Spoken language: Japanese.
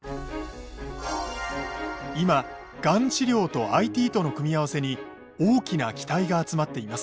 今がん治療とＩＴとの組み合わせに大きな期待が集まっています。